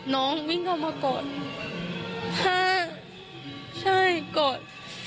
น้องวิ่งเข้ามากอดผ้าใช่กอด